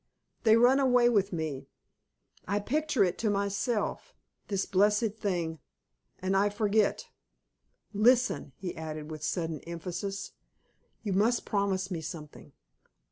They run away with me; I picture it to myself this blessed thing and I forget. Listen!" he added, with sudden emphasis, "you must promise me something.